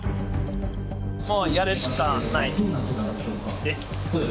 もうやるしかないです。